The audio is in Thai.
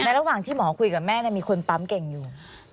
ระหว่างที่หมอคุยกับแม่มีคนปั๊มเก่งอยู่